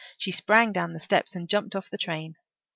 She sprang down the steps and jumped off the train.